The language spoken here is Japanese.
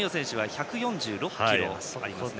１４６ｋｇありますからね。